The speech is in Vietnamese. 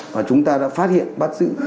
và chúng ta đã phát hiện bắt giữ